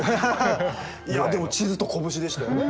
いやでも『地図と拳』でしたよね。